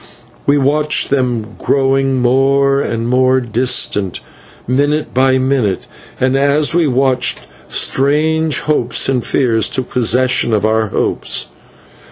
We watched them growing more and more distinct minute by minute, and, as we watched, strange hopes and fears took possession of our hearts.